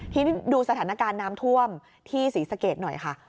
ทีนี้ดูสถานการณ์น้ำท่วมที่ศรีสะเกดหน่อยค่ะ